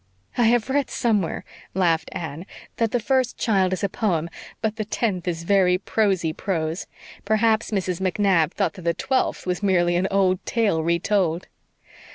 "I have read somewhere," laughed Anne, "that the first child is a poem but the tenth is very prosy prose. Perhaps Mrs. MacNab thought that the twelfth was merely an old tale re told."